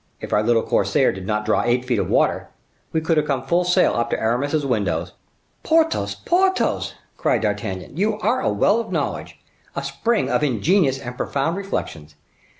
If our little corsair did not draw eight feet of water, we could have come full sail up to Aramis's windows." "Porthos, Porthos," cried D'Artagnan, "you are a well of knowledge, a spring of ingenious and profound reflections.